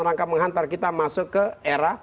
rangka menghantar kita masuk ke era